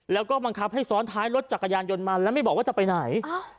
แล้วก็บังคับให้ซ้อนท้ายรถจักรยานยนต์มาแล้วไม่บอกว่าจะไปไหน